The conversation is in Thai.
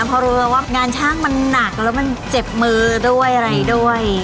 เพราะรู้แล้วว่างานช่างมันหนักแล้วมันเจ็บมือด้วยอะไรด้วย